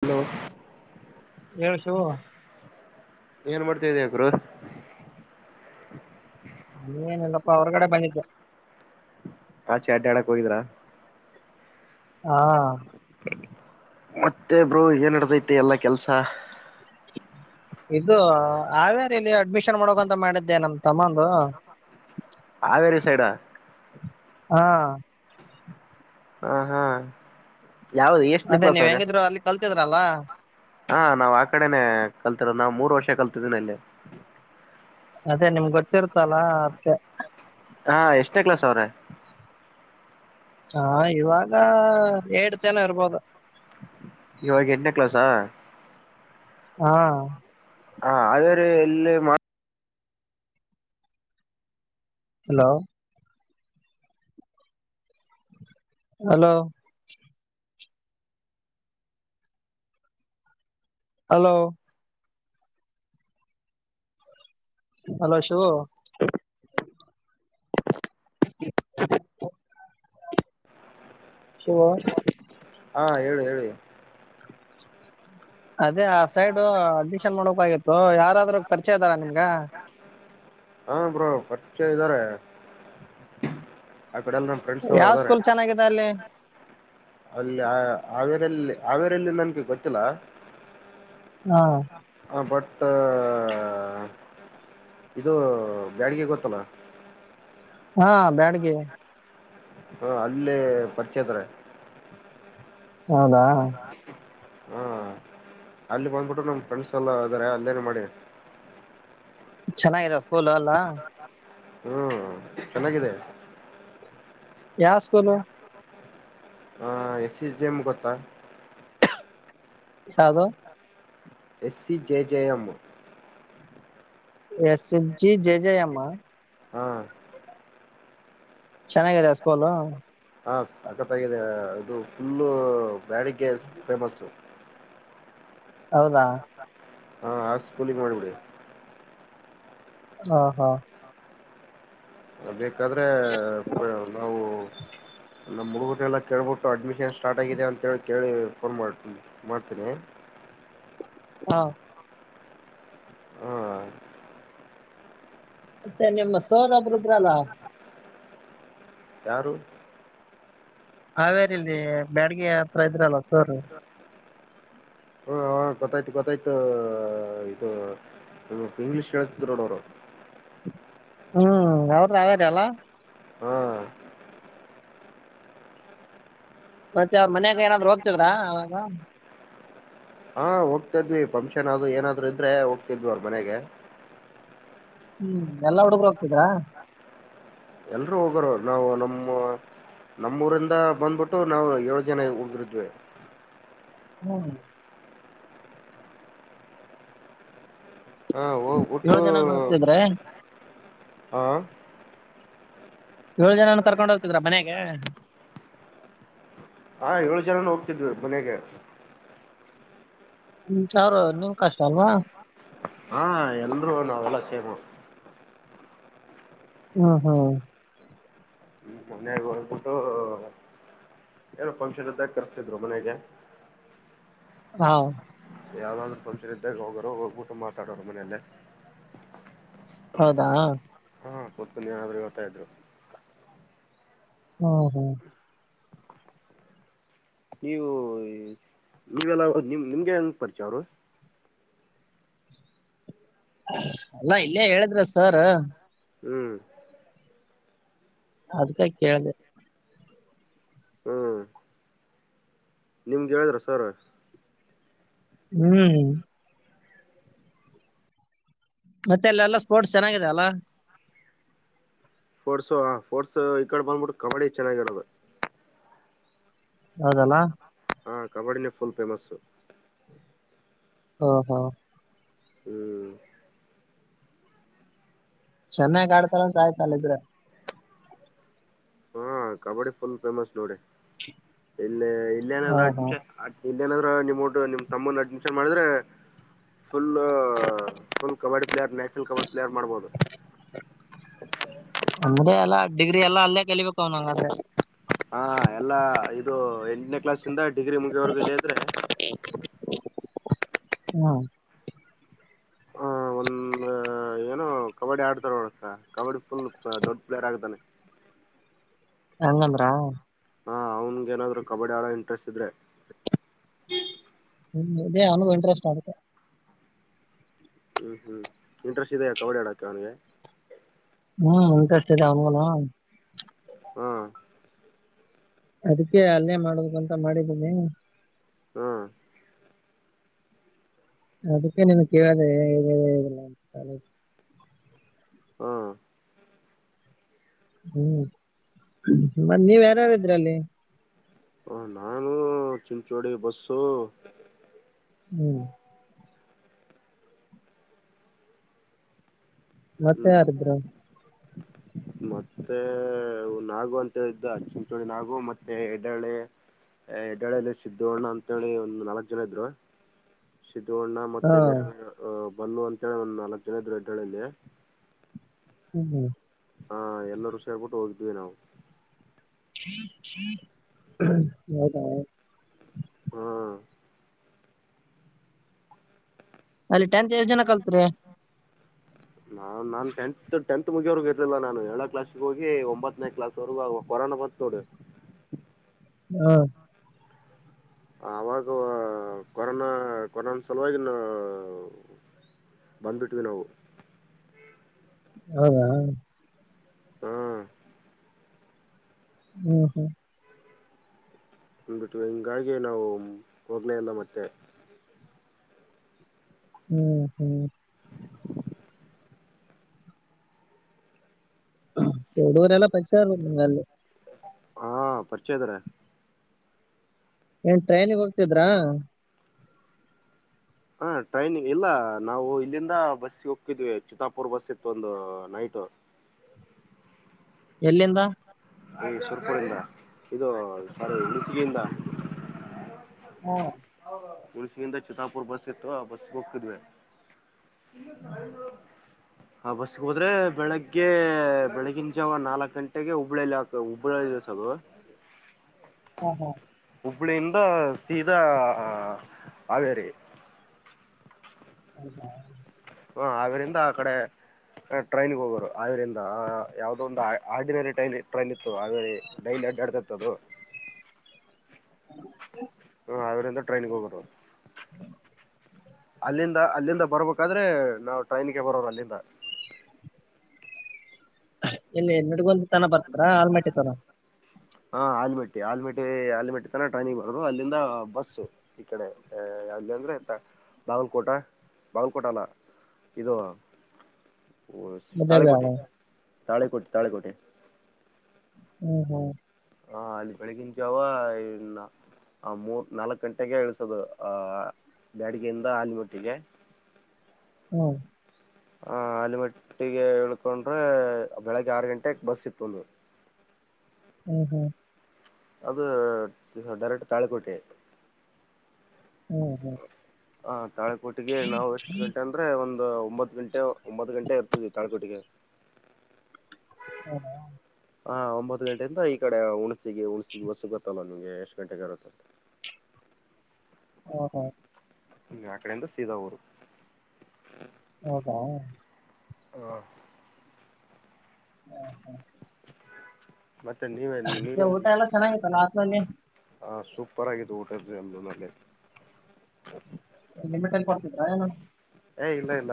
Hello ಹೇಳು ಶಿವು ಏನ್ ಮಾಡ್ ದ ಕ್ರೋಸ್ ಅನ್ ಇಂಟೆಜಿಬಲ್ ಇನೇನೆಲ್ಲಪಾ ಹೊರಗಡೆ ಬಂದಿದ್ದೆ ಚೆ ಅಡ್ಡ್ಯಾಡಕ್ ಅನ್ ಇಂಟೆಲಿಬಲ್ ಹೋಗ್ರಾ ಹಾ ಮತ್ತೆ ಬ್ರೋ ಏನ್ ನಡಿತೈತೆ ಎಲ್ಲಾ ಕೆಲ್ಸ ಇದು ಹಾವೇರಿ ಇಲ್ಲಿ ಅಡ್ಮಿಷನ್ ಮಾಡಕಂತ ಮಾಡಿದ್ದೆ ನಮ್ ತಮ್ಮಂದು ಹಾವೇರಿ ಸೈಡಾ ಹಾ ಹಾ ಹಾ ಯಾವ್ದ ಎಷ್ಟುನೇ ಅದೇ ಕ್ಲಾಸ ನೀವ್ ಅವನು ಹೆಂಗಿದ್ರು ಅಲ್ಲಿ ಕಲ್ತಿದ್ರಲ್ಲ ಹ ನಾವ್ ಆ ಕಡೆನೆೇ ಕಲ್ತಿರೋ ನಾವು ಮೂರು ಪ್ರೋಶ ಕಲ್ತಿದೀನಿ ಇಲ್ಲೆ ಅದೇ ನಿಮ್ ಗೊತ್ತಿರ್ತ್ತಲ್ಲ ಅದ್ಕೆ ಹಾ ಎಷ್ಟೇ ಕ್ಲಾಸ್ ಅವ್ರ ಹಾ ಇವಾಗ ಎಡ್ ಜನ ಇರ್ಬೋದು ಇವಾಗ ಎಂಟನೇ ಕ್ಲೋಸಾ ಹಾ ಹಾ ಅದ್ರ ಎಲ್ಲಿ ಮ hello hello hello hello Shivu inaudible Shivu ಹಾ ಹೇಳಿ ಹೇಳಿ ಅದೇ ಅ ಆ ಸೈಡ್ ಹ ಅಡ್ಮಿಷನ್ ಮಾಡೋಕಾಗಿತ್ತು ಯಾರಾದ್ರೂ ಪರಿಚಯ ಇದಾರ ನಿಮ್ಗ ಆಇನಾಡಿಬಲ್ ಹಾ ಬ್ರೋ ಪರಿಚಯ ಇದ್ದಾರೆ ಆ ಕಡೆಲ್ಲ ನಮ್ಮ ಫ್ರೆಂಡ್ಸ್ ಅವರು ಯಾವ ಅದಾರ ಸ್ಕೂಲ್ ಚೆನ್ನಾಗಿದೆ ಅಲ್ಲಿ ಅಲ್ಲಿ ಹಾವೇರಿ ಯಲ್ಲಿ ಹಾವೇರಲ್ಲಿ ನನಗೆ ಗೊತ್ತಿಲ್ಲ ಹಾ ಆ ಬಟ್ ಮತ್ತ ಇದು ಬ್ಯಾಡಿಗೆ ಗೊತ್ತಲ್ಲ ಹಾ ಬ್ಯಾಡ್ಗೆ ಆ ಅಲ್ಲಿ ಪರಿಚಯಹಿದ್ರ ಹೌದಾ ಹಾ ಅಲ್ಲಿ ಬಂದ್ಬಿಟ್ಟು ನಮ ಫ್ರೆಂಡ್ಸ್ ಎಲ್ಲ ಇದಾರೆ ಅಲ್ಲೇನೆ ಮಾಡಿ ಚೆನ್ನಾಗಿದೆ ಸ್ಕೂಲ್ ಅಲ್ಲಾ ಹ್ಮ್ ಚೆನ್ನಾಗಿದೆ ಯಾವ ಸ್ಕೂಲ್ ಎ ಸಿಜೇಮ್ ಗೊತ್ತ ಯಾದುದು S C J J M S H G J ಜಯ ಅಮ್ಮ ಹ್ಮ ಚೆನ್ನಾಗಿದೆ ಅ ಸ್ಕೋಲ್ ಹಾ ಸಕತ್ಾಗಿದೆ ಅದು ಫುಲ್ಲು ಬೇಡಿಗೆಗೆ ಫೇಮಸ್ಸು ಹೌದಾ ಹಾಂ ಹಾಸ್ ಕೂಲಿಂಗ ಮಾಡಿಬಿಡಿ ಹಾ ಹಾ ಬೇಕಾದ್ರೆ ನಾವು ನಮ್ಮ ಮುಡುಗಟ್ಟ ಎಲ್ಲ ಕೇಳ್ಬಿಟ್ಟು ಅಡ್ಮಿಷನ್ ಸ್ಟಾರ್ಟ್ ಆಗಿದೆ ಅಂತೇಳಿ ಕೇಳಿ ಫೋನ್ ಮಾಡ ಮಾಡ್ತೀನಿ ಹಾ ಹಾಂ ಮತ್ತೆ ನಿಮ್ಮ ಸೋದ ಒಬರು ಇದ್ರಲ್ಲ ಯಾರು ಹಾವೇರಿ ಇಲ್ಲಿ ಬ್ಯಾಡ್ಗೆ ಹತ್ರ ಇದ್ರಲ್ಲ ಸೂರ್ ಹ ಹ ಗೊತ್ತಾಯ್ತು ಗೊತ್ತಾಯ್ತು ಇದು ಇಂಗ್ಲೀಷ್ ಹೆಳ್ತಿದ್ರು ನೋಡ ಅವರು ಹ್ಮ್ ಅವರು ಯಾವ್ಯಾರ ಅಲ್ಲ ಹ್ಮ ಮತ್ತೆ ಅವ್ರ ಮನ್ಯಾಗ ಏನಾದ್ರು ಹೋಗ್ತದ್ರ ಅವಾಗ ಹಾ ಹೋಗ್ತಿದ್ವಿ ಫಂಕ್ಷನ್ ಅದು ಏನಾದ್ರು ಇದ್ರೆ ಹೋಗ್ತಿದ್ವಿ ಅವ್ರ ಮನೆಗೆ ಹ್ಮ್ ಎಲ್ಲಾ ಹುಡುಗ ಹೋಗ್ತದಾ ಎಲ್ರುೂ ಹೋಗೋರ ನಾವು ನಮ್ಮ ನಮ್ಮೂಊರಿಂದ ಬಂದ್ಬಿಟ್ಟು ನಾವು ಏಳು ಜನ ಉಳಿದ್ರಿದ್ವಿ ಹ್ಮ ಹಾ ಏಳ ಹೋಗ್ಬಿಟ್ಟು ಜನನು ಹೋಗಿದ್ದರ ಹಾ ಏಳು ಜನಾನ ಕರ್ಕೊಂಡ್ ಹೋಗ್ತಿದ್ರ ಮನೆಗೆ ಹಾ ಏಳು ಜನನ ಹೋಗ್ತಿದ್ವಿ ಮನೆಗೆ ಹ್ಮ ಅವ್ರ ನಿಮ್ ಕಷ್ಟ ಅಲ್ವಾ ಹಾ ಎಲ್ಲರೂ ನ ಅವಲ್ಲಾ ಸೇಮ ಹ್ಮ ಹ್ಮ್ ಮನೆಗೆ ಹೋಗ್ಬಿಟ್ಟು ಏನೋ ಫಂಕ್ಷನ್ ಇದ್ದಾಗ್ ಕರ್ಸಿತ್ದ್ರು ಮನೆಗೆ. ಹ ಯಾವ್ದಾದ್ರರು ಪಂಕ್ಷನ ಇದ್ದಾಗ ಹೋಗೋರು ಊಟ ಮಾತಾಡೋರು ಮನೆಯಲ್ಲೇ. ಬಾ ಹಾ ಕೂತಲ್ ಏನಾದ್ರೂ ಹೇಳ್ತಾ ಇದ್ರು. ಹ್ಮ್ ಹ್ಮ್ ನೀವು ನೀವೆಲ್ಲ ನಿ ನಿಮ್ಗೆ ಹೆಂಗ ಪರಿಚಯ ಅವರು, ಅಲ್ಲಾ ಇಲ್ಲೇ ಹೇಳಿದ್ರ ಸರ್ ಹ್ಮ್ ಅದ್ಕ ಕೇಳ್ದಿದೆ. ಹ್ಮ್ ಕೇಳಿದ್ರ ಸರ್. ಹ್ಮ್ ಮತ್ತೆ ಅಲ್ಲೆಲ್ಲಾ ಸ್ಪೋರ್ಟ್ಸ್ ಚೆನ್ನಾಗಿದೆ ಅಲ್ಲ, ಸ್ಪೋರ್ಟ್ಸ್ ಸ್ಪೋರ್ಟ್ಸ್ ಈ ಕಡೆ ಬಂದ್ಬಿಟ್ಟು ಕಬಡ್ಡಿ ಚೆನ್ನಾಗಿರೋದು. ಹೌದಲ್ಲ ಕಬಡ್ಡಿನೆ ಫುಲ್ ಫೇಮಸ್. ಹಾ ಹಾ ಹ್ಮ್ ಚೆನ್ನಾಗ ಆಡ್ತರಂತ್ ಆಯ್ತ ಅಲ್ಲಿದ್ರೆ. ಹ ಕಬಡ್ಡಿ ಫುಲ್ ಫೇಮಸ್ ನೋಡಿ ಇಲ್ಲ ಇಲ್ಲ ಹಾ ಏನದ್ರ ಹಾ ಅಡ್ಮಿಷನ್ ಆ ಇಲ್ಲೇನಾದ್ರೂ ನಿಮ್ಮಟ್ಟ ನಿಮ್ ತಮ್ಮನ ಅಡ್ಮಿನ್ಷನ್ ಮಾಡಿದ್ರೆ full [inaudible] ಕಬಡ್ player national kabaddi player ಮಾಡ್ಬೋದು. ಅಂದ್ರೆ ಎಲ್ಲಾ ಡಿಗ್ರಿ ಎಲ್ಲಾ ಅಲ್ಲೇ ಕೆಲಿಬೇಕ ಅವನಂಗಾದ್ರೆ. ಹಾ ಎಲ್ಲಾ ಇದು ಎಂಟನೇ ಕ್ಲಾಸ್ ಇಂದ ಡಿಗ್ರಿ ಮುಗಿಯೋ ವರ್ಗು ಇಲ್ಲೆ ಇದ್ರೆ ಹಾ ಆ ಒಂದ್ ಏನೋ ಕಬಡ್ಡಿ ಆಡ್ತಾರೋಳಸ ಕಬಡ್ಡಿ ಫುಲ್ ದೊಡ್ ಪ್ಲೇಯರ್ ಆಗ್ತಾನೆ. ಹಂಗಂದ್ರ, ಹಾ ಅವ್ನ್ಗ ಏನಾದ್ರು ಕಬಡ್ಡಿ ಆಡೊ ಇಂಟ್ರೆಸ್ಟ್ ಇದ್ರೆ. ಹ್ಮ ಇದೇ ಅವ್ನುಗು ಇಂಟ್ರೆಸ್ಟ್ ಆಗುತ್ತೆ. ಹ್ಮ್ ಹ್ಮ್ ಇಂಟ್ರೆಸ್ಟ್ ಇದೆಯಾ ಕಬಡ್ಡಿ ಆಡೋಕ್ಕೆ ಅವ್ನಿಗೆ. ಹ್ಮ್ ಇಂಟರೆಸ್ಟ್ ಇದೆ ಅವ್ನ್ ಗುನು. ಹ್ಮ ಅದಕ್ಕೆ ಅಲ್ಲೇ ಮಾಡಬೇಕನ್ ಮಾಡಿದ್ದೀನಿ. ಹ್ಮ ಅದಕ್ಕೆ ನಿಮಗ್ ಕೇಳಿದೆ [unintelligible] ಹ್ಮ ಹ್ಮ್ ಮ ನೀವ್ ಯಾರಾರ ಇದ್ರಲ್ಲಿ, ಹ ನಾನು ಚಿಂಚೋಡಿ ಬಸ್ಸು ಹ್ಮ್ ಮತ್ತೆ ಹ್ಮ್ ಯಾರಿದ್ರು ಮತ್ತೆ ನಾಗು ಅಂತ ಹೇಳಿದ್ದು ಅ ಚಿಚೋಳಿ ನಾಗು ಮತ್ತೆ ಹೆಡಳಿ ಹೆಡಾಳ್ಳಿಯಲ್ಲಿ ಸಿದ್ದೋ್ಣ ಅಂತೇಳಿ ಒಂದು್ ನಾಲ್ಕ್ ಜನ ಇದ್ರು ಚಣ ಹಾ ಮತ್ತೆ ಬಲ್ಲ ಅಂತ ಹೇಳಿ ನಲ್ಕ ದಿನ ಇದ್ರುಡ್ ಹೇಳೆ ಹ್ಮ್ ಹ್ಮ್ ಹಾ ಎಲ್ಲರೂ ಸೇರ್ಬಿಟ್ಟು ಹೋಗಿದ್ವಿ ನಾವು ಹೌದ ಹ್ಮ್ ಅಲ್ಲಿ ಟಂತ್ ಎಷ್ಟ್ ಜನ ಕಲ್ತ್ರಿ ನಾನ್ ನಾನನ್ ಟೆಂತ್ ಟೆಂತ್ ಮುಗಿಯವರ್ಗ ಇರ್ಲಿಲ್ಲ ನಾನು ಏಳ ಕ್ಲಾಸ್ಗೆ ಹೋಗಿ ಒಂಬತ್ತನೇ ಕ್ಲಾಸ್ ವರೆಗೂ ಕೊರೋನಾ ಬಂದ ನೋಡು ಹ್ಮ ಆವಾಗ ಕೊರೋನಾ ಕೊರೋ ಸಲುವಾಗಿ ನ ಬಂದು್ಬಿಟ್ವಿ ನಾವು ಹೌದಾ ಹ ಹ್ಮ್ ಹ್ಮ ಹ್ಮ್ ಅಂದ್ಬಿಟ್ಟವಿ ಹಿಂಗಾಗಿ ನಾವು ಹೋಗನೇ ಅಂದ ಮತ್ತೆ ಹ್ಮ್ ಹ್ಮ್ ಎಡುೂರ ಎಲ್ಲ ಪೈಸ ಅಲ್ಲಿ ಹಾ ಪರಿಚಯದಾರ ಏನ್ ಟ್ರೈನಿಗೆ ಹೋಗ್ತಿದ್ರಾ ಹಾ ಟ್ರೈನಿಂಗ್ ಇಲ್ಲ ನಾವು ಇಲ್ಲಿಂದ ಬಸ್ಿಗೆ ಹೋಗಿದ್ವಿ ಚಿತ್ತಾಪುರ್ ಬಸ್ ಇತ್ತು ಒಂದು ನೈಟ್ ಎಲ್ಲಿಂದ ಈ ಶುರ್ಕುರಿಂದ ಇದು ಸಾರಿ ಇಚಗಯಿಂದ ಹ್ಮ ಉುಳಸಿಯಿಂದ ಚಿಿತಾಪುರ್ ಬಸ್ ಇತ್ತು ಆ ಬಸ್ಗೆ ಹೋಗ್ತಿದ್ವಿ ಇಲ್ಲ ನಳ ಆ ಬಸ್ಗೆ ಹೋದ್ರೆ ಬೆಳಗ್ಗೆ ಬೆಳಗಿಿನ ಜಾವ ನಾಲ್ಕಕ್ ಗಂಟೆಗೆ ಹುಬ್ಳಳ್ಳಿಲ್ಲಿ ಆಗ್ತದೆ ಉಬರ ಇದು ಸಗ ಹಾ ಹಾ ಹುಬ್ಬಳಿಂದ ಸೀದಾ ಆವರಿ ಹೌದಾ ಹ ಆರಿಂದ ಆ ಕಡೆ ಟ್ರೈನ್ಗೆ ಹೋಗೋರು ಆರಿಿಂದ ಯಾವ್ದೋ ಒಂದು ಆರ್ಡಿನರಿ ಟ್ರೈನ್ ಟ್ರೈನ್ ಇತ್ತು ಆೇ ಡೈಲಿ ಅಡ್ಡಾಡ್ತತ್ತುದು ಹಾವ ಅವರೆಂದ ಟ್ರೈನಿಂಗ ಹೋಗ ಅಲ್ಲಿಂದ ಅಲ್ಲಿಂದ ಬರ್ಬೇಕ ಯಾದ್ರೆ ನಾವವು ಟ್ರೈನ್ಗೆ ಬರೋರು ಅಲ್ಲಿಂದ ಇಲ್ಲಿ ನಡುಗೊಂದು ತನ ಬರ್ತದ್ರ ಆಲ್ಮಟ್ಟಿ ತರ ಹಾಂ ಆಲಮೆಟ್ಟಿ ಆಲ್ಮೆಟ್ಟಿ ಆಲಮೆಟ್ಟಿ ತನ ಟ್ರೈನಿಿಗೆ್ ಬರರು ಅಲ್ಲಿಂದ ಬಸ್ಸು ಈ ಕಡೆ ಅಲ್ಲಿ ಅಂದ್ರರೆ ಬಾಗಲಕೋಟೆ ಬಾಗಲಕೋಟೆ ಅಲ್ಲ ಇದು ಓ ಮುದ್ದೇಬಿಹಾಳ ತಾಳಿಕೋಟೆ ತಾಳೆಕೋಟೆ ತಾಳೆಕೋಟೆ ಹ್ಮ್ ಹ್ಮ್ ಹಾ ಅಲ್ಲಿ ಬೆಳಗಿನ ಜಾವ ಇ ಮೂರ್ ನಾಲ್ಕ ಗಂಟೆಗೆ ಇಳಸೋದು ಆ ಬ್ಯಾಡಿಗೆಯಿಂದ ಹಾಲಮಟ್ಟಿಗೆ ಹ್ಮ್ ಹ ಅಲ್ಲಿಮಟ್ಟಿಗೆ ಹಳ್ಕೊಂಡ್ರೆ ಬೆಳಗ್ಗೆ ಆರು ಗಂಟೆಗೆ ಬಸ್ ಇತ್ತುಲ್ವಿ ಹ್ಮ್ ಹ್ಮ್ ಅದು ಡೈರೆಕ್ಟ್ ತಾಳೆಕೋಟೆ ಹ್ಮ್ ಹ್ಮ್ ಹ ತಾಳೆಕೋಟಿಗೆ ನಾವು ಎಷ್ಟು ಗಂಟೆ ಅಂದ್ರೆ ಒಂದು ಒಂಬತ್ತು ಗಂಟೆ ಒಂಬತ್ತು ಗಂಟೆ ತಾಳಕೋಟ್ಟಿಗೆ ಹ್ಮ [inaudible] ಹ ಒಂಬತ್ತು ಗಂಟೆಯಿಂದ ಈ ಕಡೆ [inaudible] ಉಳಿಸಿುವಸುಗ ತಲ ನಿಮಗೆ ಎಷ್ಟು ಗಂಟೆಗೆರುತ್ತ ಹ ಹಾ ನಿ ಆ ಕಡೆಯಿಂದ ಸೀದಾ ಊರು ಹೌದಾ ಹ [inaudible] ಹ ಹಾ ಮತ್ತೆ ನೀವೆ ನೀವೆಲ್ಲಿ [inaudible] ಎಲ್ಲ ಚೆನ್ನಾಗಿತ್ತಲ್ಲ ಹಾಸ್ಟೆಲಲ್ಲಿ ಹ ಸು ಪ್ಪರಗಿ ತೋಟ ನ ಲಿಮಿಟಲ್ಲಿ ಕೊಡ್ತಿದ್ರಾ ಏ ಏ ಇಲ್ಲ ಇಲ್ಲ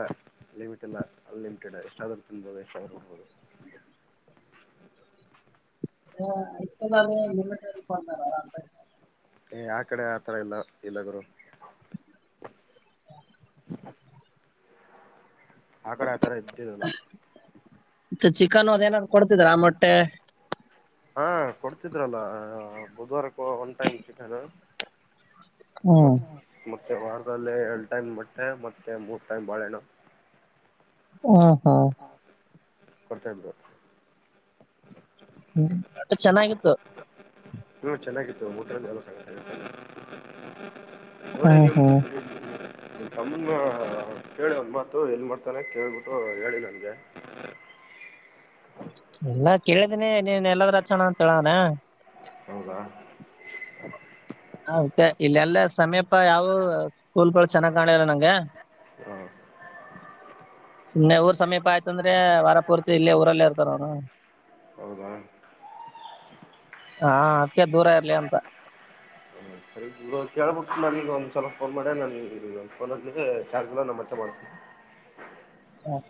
ಲಿಮಿಟ್ ಇಲ್ಲ ಅನ್ಲಿಮಿಟೆಡ್ ಎಷ್ಟಾದ ಆದ್ರೂ ತಿನ್ಬೋುದು ಎಷ್ಟ್ರೂರ್ಬೋುದು ಹಸ್ತಬಲ್ ಇಮ ಯ ಕಡೆ ಆತರ ಇಲ್ಲ ಇಲ್ಲ ಗರು [inaudible] ಆ ಕಡೆ ಆತರ ಇದ್ದಿರಲ್ಲ [inaudible] ಮ ಚಿಕನ್ ಅದೇಏನಾದ್ರು ಕೊಡ್ತಿದ್ರ ಮಟ್ಟೆ ಹಾ ಕೊಡ್ತಿದ್ರಲ್ಲ ಬುಧವಾರಕ್ಕೂ ಒನ್ ಟೈಮ್ ಚಿಕನ್ ಹ್ಮ್ ಮತ್ತೆ ಮತ್ತ ಮತ್ತೆ ವಾರದಲ್ಲಿ ಎರಡು ಟೈಮ್ ಬಟ್ಟೆ ಮತ್ತೆ ಮೂರ್ ಟೈಮ್ ಬಾಳೆಣ್ಣ ಹ ಹಾ ಕೊಡ್ತಾ ಇದ ಹ್ಮ ಮ ಚೆನ್ನಾಗಿತ್ತು ಹ್ಮ ಚೆನ್ನಾಗಿತ್ತು ಮೂತ್ರ ಎಲ್ಲಗ ನೋಡಿ ಹ್ಮ್ ನೀವು ಹ್ಮ್ ತಮ್ಮ ಕೇಳಿ ಒಂಬತು ಏನ್ ಮಾಡ್ತಾನೆ ಕೇಳ್ಬಿಟ್ಟು ಹೇಳಿ ನನ್ಗೆ ಎಲ್ಲಾ ಕೇಳಿದೀನಿ ನೀನ್ ಎಲ್ಲದ್ರಚಣ ಅಂತ ಹೇಳಾನ ಹೌದಾ ಅತ್ತೆ ಇಲ್ಲೆಲ್ಲ ಸಮೀಪ ಯಾವ ಸ್ಕೂಲ್ಗಳು ಚೆನ್ನಾಗ್ ಕಾಣಲಿಲ್ಲ ನಂಗೆ ಹಾಂ ಸುಮಮ್ಮನೆ ಊರ್ ಸಮೀಪ ಆಯ್ತ ಅಂದ್ರೆ ವಾರ ಪೂರ್ತಿ ಇಲ್ಲೇ ಊರಲ್ಲೇ ಇರ್ತಾರ ಅವರು ಹೌದಾ ಹಾ ಅದಕ್ಕಕ್ಕೆ ದೂರ ಇರ್ಲಿ ಅಂತ ಇದು ಕೇಳಳ್ಬಿಟ್ಟು ನನಗೆ ಒಂದುಲ ಫೋನ್ ಮಾಡೇ ನನಗೆ ಇ ಒಂದು ಫೋನ್ದಕ್ಕೆ ಚಾರ್ಜ್ಲ್ ನಮ್ಮತ್ತೆ ಮಾಡ್ತೀನಿ ಹೌ ಸ